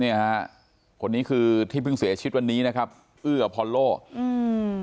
เนี่ยฮะคนนี้คือที่เพิ่งเสียชีวิตวันนี้นะครับเอื้อพอลโลอืม